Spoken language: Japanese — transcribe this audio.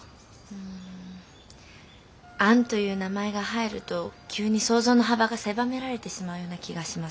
うんアンという名前が入ると急に想像の幅が狭められてしまうような気がしますけど。